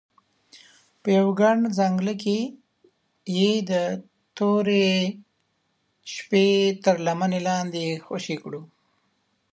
په یوه ګڼ ځنګله کې یې د تورې شپې تر لمنې لاندې خوشې کړو.